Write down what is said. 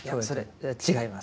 違います。